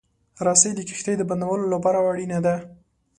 رسۍ د کښتۍ د بندولو لپاره اړینه ده.